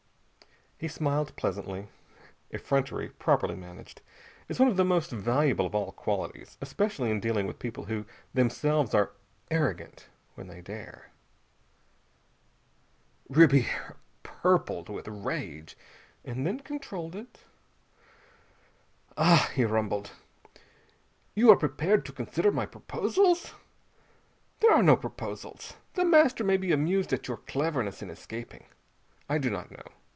He smiled pleasantly. Effrontery, properly managed, is one of the most valuable of all qualities. Especially in dealing with people who themselves are arrogant when they dare. Ribiera purpled with rage, and then controlled it. "Ah!" he rumbled. "You are prepared to consider my proposals. There are no proposals. The Master may be amused at your cleverness in escaping. I do not know.